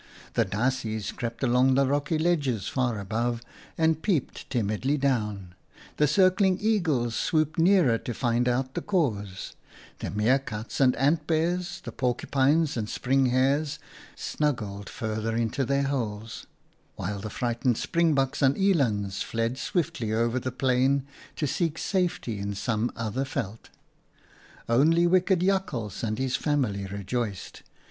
The dassies crept along the rocky ledges far above, and peeped timidly down ; the circling eagles swooped nearer to find out the cause ; the meerkats and ant bears, the porcupines and spring hares snuggled further into their holes ; while the frightened springboks and elands 24 OUTA KAREL'S STORIES fled swiftly over the plain to seek safety in some other veld. " Only wicked Jakhals and his family rejoiced.